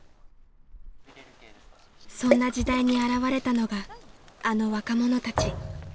［そんな時代に現れたのがあの若者たち］